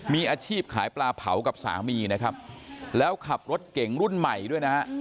มีอาชีพขายปลาเผากับสามีนะครับแล้วขับรถเก่งรุ่นใหม่ด้วยนะฮะ